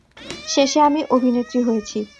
শেষে আমি অভিনেত্রী হয়েছি।